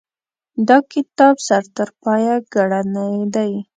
دا کتاب سر ترپایه ګړنې دي.